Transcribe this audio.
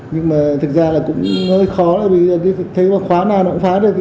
nhưng mà thực ra là cũng hơi khó là bây giờ thấy mà khóa nào nó cũng phá được